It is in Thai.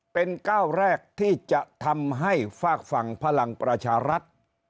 เป็นก้าวแรกที่จะทำให้ฝากฝั่งพลังประชารัฐ